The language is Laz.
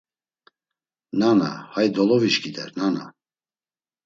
Nana, hay dolovişǩider nana!